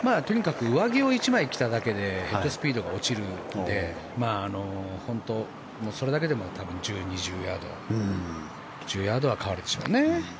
上着を１枚着ただけでヘッドスピードが落ちるのでそれだけでも多分、１０ヤードは変わるでしょうね。